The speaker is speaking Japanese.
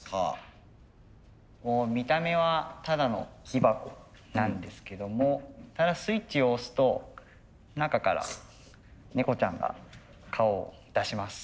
見た目はただの木箱なんですけどもスイッチを押すと中から猫ちゃんが顔を出します。